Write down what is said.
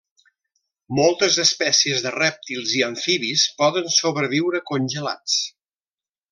Moltes espècies de rèptils i amfibis poden sobreviure congelats.